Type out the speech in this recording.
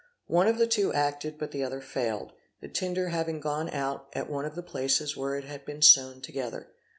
One of the two acted but the other failed, the tinder having gone out at one of the places where it had been sewn together.